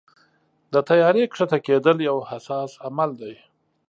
د طیارې کښته کېدل یو حساس عمل دی.